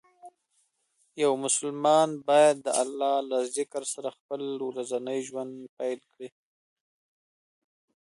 یو مسلمان باید د الله له ذکر سره خپل ورځنی ژوند پیل کړي.